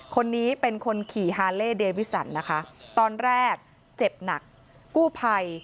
คนนี้เป็นคนขี่ฮาเล่เดวิสันนะคะตอนแรกเจ็บหนักกู้ภัย